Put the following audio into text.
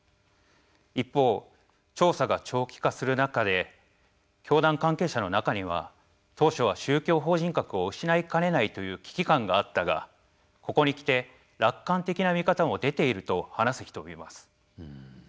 一方、調査が長期化する中で教団関係者の中には当初は宗教法人格を失いかねないという危機感があったが、ここにきて楽観的な見方も出ていると話す人もいます。